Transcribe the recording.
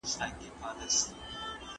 نوي نسلونه باید علمي میتودونه زده کړي.